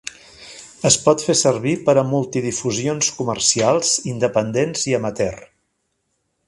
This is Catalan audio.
Es pot fer servir per a multidifusions comercials, independents i amateur.